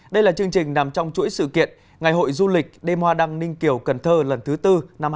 đây là chương trình nằm trong chuỗi sự kiện ngày hội du lịch đêm hoa đăng ninh kiều cần thơ lần thứ tư năm hai nghìn hai mươi